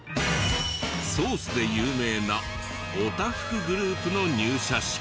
ソースで有名なお多福グループの入社式。